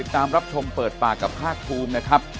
ตามรับชมเปิดปากกับภาคภูมินะครับ